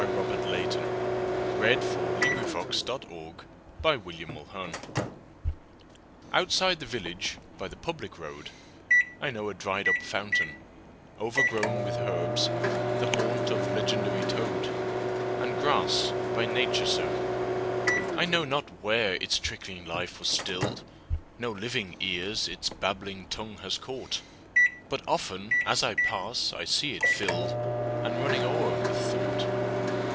Robert Leighton 1822–69 The Dried up Fountain OUTSIDE the village, by the public road,I know a dried up fountain, overgrownWith herbs, the haunt of legendary toad, And grass, by Nature sown.I know not where its trickling life was still'd; No living ears its babbling tongue has caught; But often, as I pass, I see it fill'dAnd running o'er with thought.